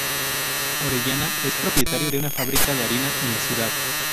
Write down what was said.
Orellana es propietario de una fábrica de harina en la ciudad.